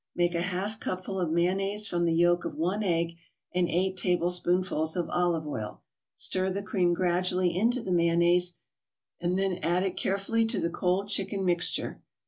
Make a half cupful of mayonnaise from the yolk of one egg and eight tablespoonfuls of olive oil; stir the cream gradually into the mayonnaise and then add it carefully to the cold chicken mixture.